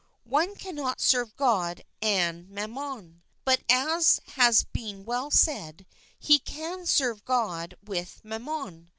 One cannot serve God and mammon ; but, as has been well said, he can serve God with mammon.